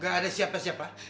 tidak ada siapa siapa